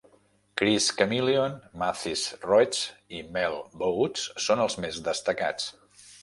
Chris Chameleon, Mathys Roets i Mel Botes són els més destacats.